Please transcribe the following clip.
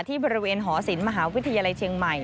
ที่บริเวณหอศิลปมหาวิทยาลัยเชียงใหม่